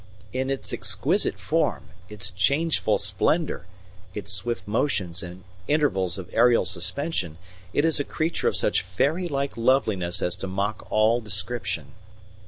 In its exquisite form, its changeful splendour, its swift motions and intervals of aerial suspension, it is a creature of such fairy like loveliness as to mock all description.